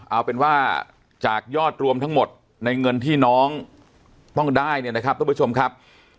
เอาเป็นว่าจากยอดรวมทั้งหมดในเงินที่น้องต้องได้เนี่ยนะครับทุกผู้ชมครับ